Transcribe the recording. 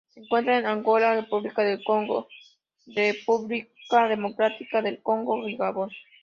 Se encuentra en Angola, República del Congo, República Democrática del Congo, y Gabón.